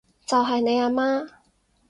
就係你阿媽